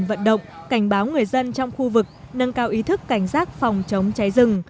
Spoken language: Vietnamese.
vận động cảnh báo người dân trong khu vực nâng cao ý thức cảnh giác phòng chống cháy rừng